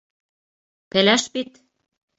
Пеләш бит!